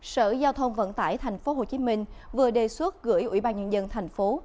sở giao thông vận tải tp hcm vừa đề xuất gửi ủy ban nhân dân thành phố